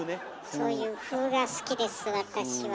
そういう「風」が好きです私は。